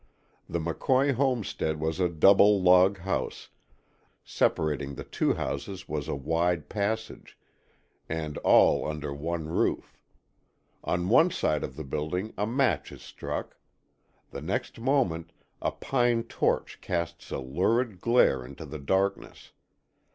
The McCoy homestead was a double log house, separating the two houses was a wide passage, and all under one roof. On one side of the building a match is struck. The next moment a pine torch casts a lurid glare into the darkness.